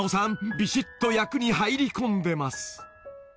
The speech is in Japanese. びしっと役に入り込んでます］